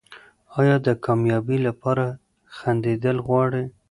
ایا ته د کامیابۍ لپاره خندېدل غواړې؟